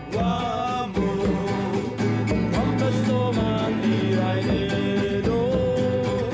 bicara sengaja tentang percobaan tersebut